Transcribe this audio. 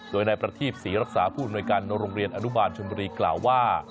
โดยในประธีศรีรัฐสาผู้หน่วยการโรงเรียนอนุบาลชมรีกล่าวว่า